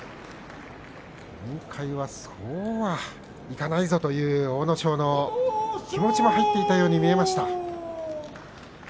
今回はそうはいかないぞという阿武咲の気持ちも入っていたように見えました。